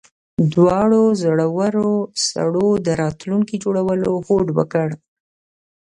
دواړو زړورو سړو د راتلونکي جوړولو هوډ وکړ